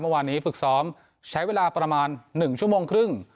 เมื่อวานนี้ฝึกซ้อมใช้เวลาประมาณ๑ชั่วโมงครึ่ง